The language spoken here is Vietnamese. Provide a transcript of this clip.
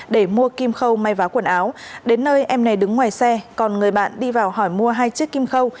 để mua kim khâu may vá quần áo đến nơi em này đứng ngoài xe còn người bạn đi vào hỏi mua hai chiếc kim khâu